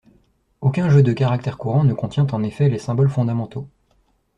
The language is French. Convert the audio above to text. Aucun jeu de caractères courant ne contient en effet les symboles fondamentaux.